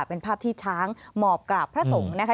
เป็นภาพที่ช้างหมอบกราบพระสงฆ์นะคะ